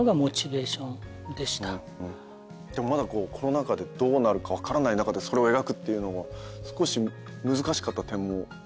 でもまだコロナ禍でどうなるか分からない中でそれを描くっていうのは少し難しかった点もないんですか？